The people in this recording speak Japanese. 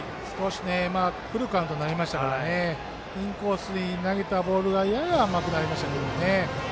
フルカウントになりましたからインコースに投げたボールがやや甘くなりましたけどね。